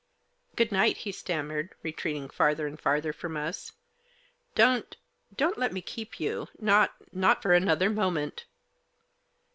" Good night," he stammered, retreating farther and farther from us. " Don't — don't let me keep you, not — not for another moment."